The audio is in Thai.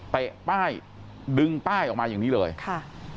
ป้ายดึงป้ายออกมาอย่างนี้เลยค่ะ